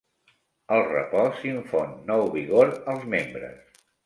El repòs infon nou vigor als membres.